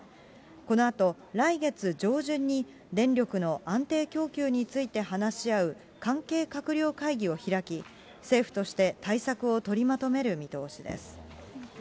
このあと来月上旬に、電力の安定供給について話し合う関係閣僚会議を開き、政府として対策を取りまとめる見通しです。